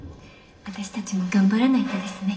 私たちも頑張らないとですね。